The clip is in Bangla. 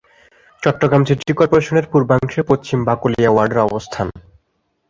চট্টগ্রাম সিটি কর্পোরেশনের পূর্বাংশে পশ্চিম বাকলিয়া ওয়ার্ডের অবস্থান।